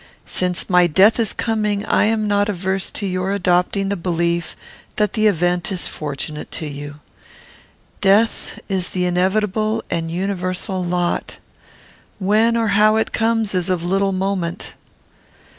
Since my death is coming, I am not averse to your adopting the belief that the event is fortunate to you. "Death is the inevitable and universal lot. When or how it comes, is of little moment.